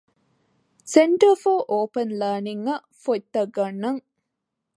ސެންޓަރ ފޯރ އޯޕަން ލާނިންގއަށް ފޮތްތައް ގަންނަން